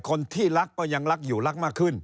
คนที่รักก็ยังรักอยู่รักมากขึ้น